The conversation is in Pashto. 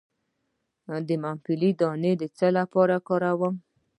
د ممپلی دانه د څه لپاره وکاروم؟